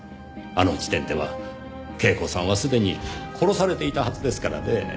あの時点では恵子さんは既に殺されていたはずですからねぇ。